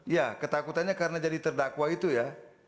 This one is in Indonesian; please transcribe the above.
ya ketakutannya karena jadi terdakwa itu ya